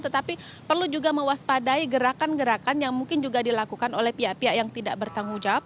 tetapi perlu juga mewaspadai gerakan gerakan yang mungkin juga dilakukan oleh pihak pihak yang tidak bertanggung jawab